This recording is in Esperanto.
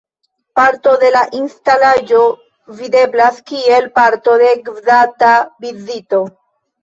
Parto de la instalaĵo videblas kiel parto de gvidata vizito.